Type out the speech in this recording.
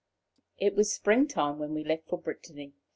It was spring time when we left for Brittany.